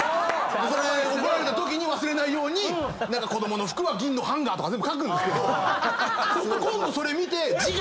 怒られたときに忘れないように子供の服は銀のハンガーとか全部書くんですけどそうすっと今度それ見て。